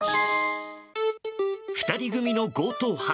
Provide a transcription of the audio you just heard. ２人組の強盗犯。